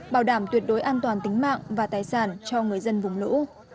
bảo đảm tuyệt đối an toàn tính mạng và tài sản cho người dân vùng lũ